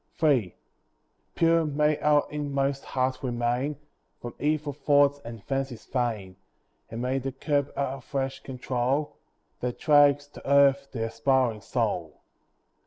III Pure may our inmost heart remain From evil thoughts and fancies vain; And may the curb our flesh control, That drags to earth the aspiring soul.